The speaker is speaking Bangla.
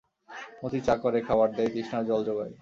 মতি চা করে, খাবার দেয়, তৃষ্ণার জল যোগায়।